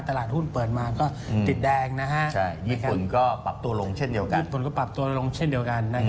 ตลาดหุ้นเปิดมาก็ติดแดงนะครับญี่ปุ่นก็ปรับตัวลงเช่นเดียวกัน